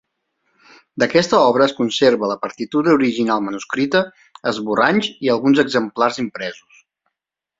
D’aquesta obra es conserva la partitura original manuscrita, esborranys i alguns exemplars impresos.